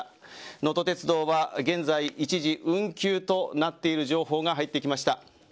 のと鉄道は現在一時運休となっている情報が入ってきました。